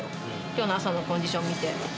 きょうの朝のコンディションを見て。